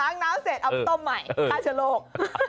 น้ำเสร็จเอาอัพต้มใหม่ค่าเฉลก